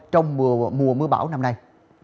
trong mùa mưa bão năm nay